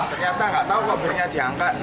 ternyata nggak tahu kok belinya diangkat